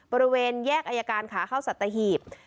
บริเวณแยกอายการขาเข้าสัตหีบ